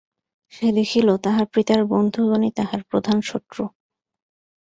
সে দেখিল, তাহার পিতার বন্ধুগণই তাহার প্রধান শত্রু।